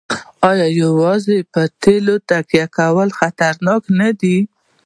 آیا یوازې په تیلو تکیه کول خطرناک نه دي؟